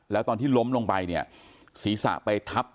แล้วตอนที่ล้มลงไปเนี่ยศีรษะไปทับ